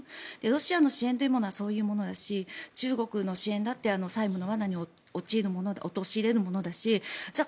ロシアの支援というものはそういうものですし中国の支援だって債務の罠に陥れるものだしじゃあ